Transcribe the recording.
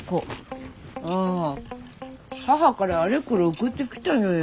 あぁ母からあれこれ送ってきたのよ。